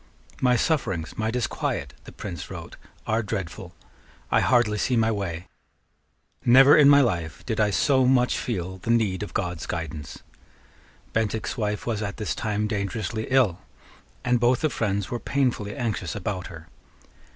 "My sufferings, my disquiet," the Prince wrote, "are dreadful. I hardly see my way. Never in my life did I so much feel the need of God's guidance." Bentinck's wife was at this time dangerously ill; and both the friends were painfully anxious about her.